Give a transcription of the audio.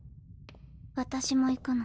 私も行くの。